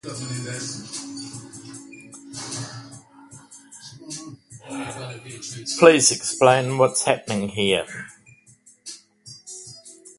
This class of instrument includes electrophones as a special case.